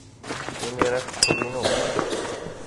Imir-a, teqqel inu.